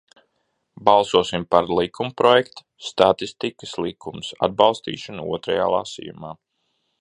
"Balsosim par likumprojekta "Statistikas likums" atbalstīšanu otrajā lasījumā!"